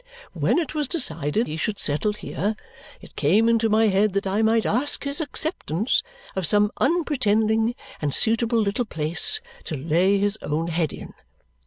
When it was decided that he should settle here, it came into my head that I might ask his acceptance of some unpretending and suitable little place to lay his own head in.